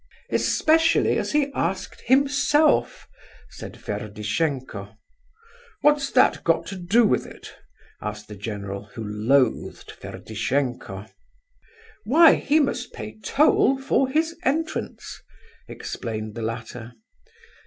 "Especially as he asked himself," said Ferdishenko. "What's that got to do with it?" asked the general, who loathed Ferdishenko. "Why, he must pay toll for his entrance," explained the latter.